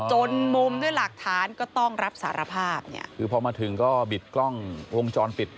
จนมุมด้วยหลักฐานก็ต้องรับสารภาพเนี่ยคือพอมาถึงก็บิดกล้องวงจรปิด